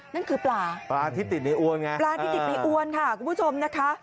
นั่นคือปลาปลาที่ติดในอ้วนไงเออค่ะคุณผู้ชมนะคะ